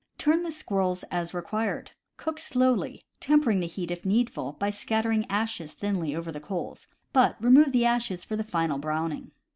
Turn the squirrels as required. Cook slowly, tempering the heat, if needful, by scattering ashes thinly over the coals; but remove the ashes for a final browning.